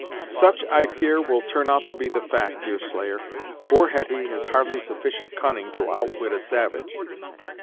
"Such, I fear, will turn out to be the fact, Deerslayer. Poor Hetty has hardly sufficient cunning to outwit a savage."